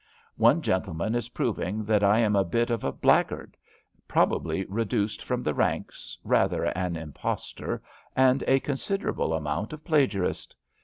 One gentleman is proving that I am a bit of a black guard, probably reduced from the ranks, rather an impostor, and a considerable amount of plagia rist.